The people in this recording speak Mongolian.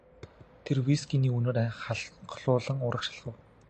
Тэр вискиний үнэр ханхлуулан урагш алхав.